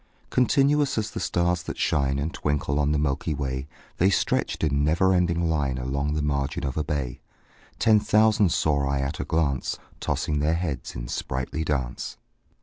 Continuous as the stars that shine And twinkle on the milky way, The stretched in never ending line Along the margin of a bay: Ten thousand saw I at a glance, Tossing their heads in sprightly dance.